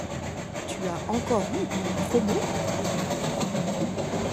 Tu as encore eu une promo?